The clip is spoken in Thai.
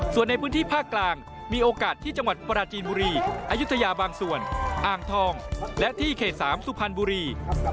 ส่วนในพื้นที่ภาคกลางมีโอกาสที่จังหวัดปราจีนบุรีอายุทยาบางส่วนอ่างทองและที่เขต๓สุพรรณบุรี